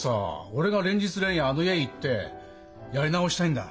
俺が連日連夜あの家に行って「やり直したいんだ。